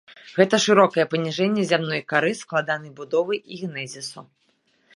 Гэта шырокае паніжэнне зямной кары складанай будовы і генезісу.